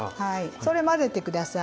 それ混ぜてください。